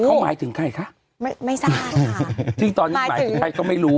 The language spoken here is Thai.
เขาหมายถึงใครคะไม่ไม่ทราบซึ่งตอนนี้หมายถึงใครก็ไม่รู้